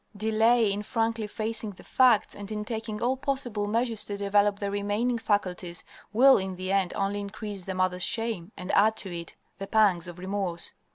Delay in frankly facing the facts and in taking all possible measures to develop the remaining faculties will in the end only increase the mother's shame and add to it the pangs of remorse.